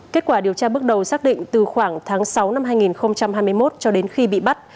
kết quả điều tra bước đầu xác định từ khoảng tháng sáu năm hai nghìn hai mươi một cho đến khi bị bắt